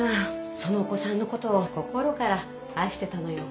そのお子さんの事を心から愛してたのよ。